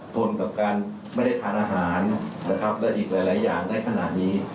ทนกับการไม่ได้ทานอาหารนะครับและอีกหลายอย่างได้ขนาดนี้